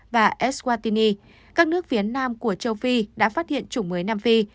và eswattini các nước phía nam của châu phi đã phát hiện chủng mới nam phi